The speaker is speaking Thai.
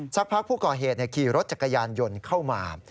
สักพักผู้ก่อเหตุขี่รถจักรยานยนต์เข้ามา